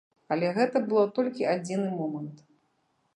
Але гэта было толькі адзіны момант.